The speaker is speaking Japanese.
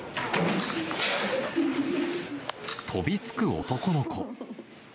飛びつく男の子。